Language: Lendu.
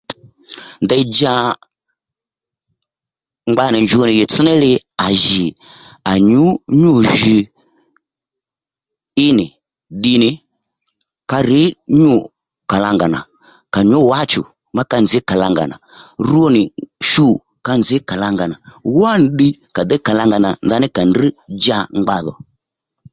Ndèy djà ngba nì djǔw nì ɦìytss-ní-li à jì à nyǔ nyû jì í nì ddi nì ka rǐ nyû kàlangà nà ka nyǔ wá-chù má ka nzǐ kàlangà nà rwo nì shu ka nzǐ kàlangà nà wánì ddiy ka déy kàlangà ndaní à ndrŕ dja ngba dhò